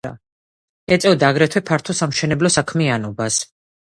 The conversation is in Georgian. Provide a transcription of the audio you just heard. ეწეოდა აგრეთვე ფართო სამშენებლო საქმიანობას.